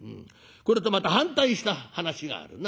これとまた反対した話があるな。